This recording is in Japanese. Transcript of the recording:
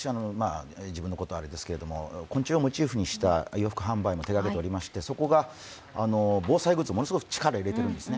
昆虫をモチーフにした洋服販売も手がけておりましてそこが防災グッズ、ものすごく力を入れているんですね。